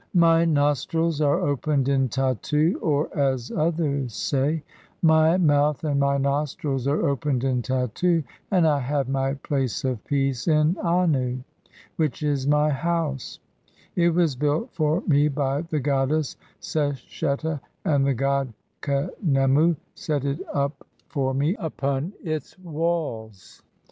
"My nostrils are (5) opened in Tattu," or (as others say), "My "mouth and my nostrils are opened in Tatau, and I have my "place of peace in Annu, which is my house ; it was built for "me by the (6) goddess Sesheta, and the god Khnemu set it up "for me upon its walls.